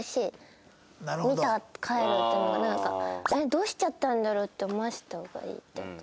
どうしちゃったんだろう？って思わせた方がいいっていうか。